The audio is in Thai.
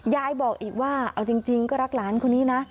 ยายบอกอีกว่าเอาจริงก็รักหลานคนนี้นะ